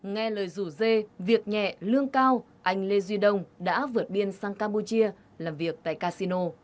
nghe lời rủ dê việc nhẹ lương cao anh lê duy đông đã vượt biên sang campuchia làm việc tại casino